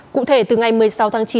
cụ thể từ ngày một mươi sáu tháng chín